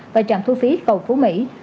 và trạm thu phí cầu phú mỹ